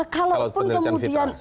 kalau pun kemudian